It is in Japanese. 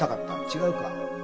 違うか？